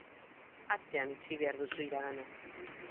Atzean utzi behar duzu iragana.